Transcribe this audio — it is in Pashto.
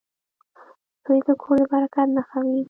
• زوی د کور د برکت نښه وي.